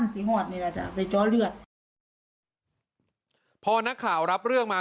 สีหวดนี่แหละจ้ะในจ้อเลือดพอนักข่าวรับเรื่องมา